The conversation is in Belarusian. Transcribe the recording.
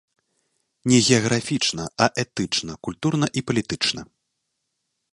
Не геаграфічна, а этычна, культурна і палітычна.